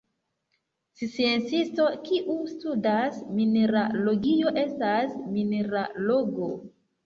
Sciencisto kiu studas mineralogio estas mineralogo.